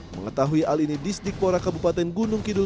mengetahui hal ini di sdikpora kabupaten gunung kidul daerah